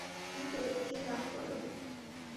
কিন্তু, কি লাভ বলো?